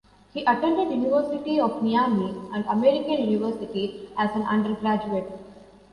He attended University of Miami and American University as an undergraduate.